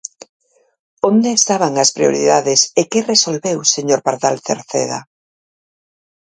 ¿Onde estaban as prioridades e que resolveu, señor Pardal Cerceda?